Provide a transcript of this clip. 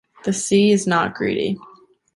The sea is not greedy.